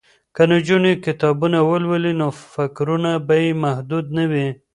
که نجونې کتابونه ولولي نو فکرونه به یې محدود نه وي.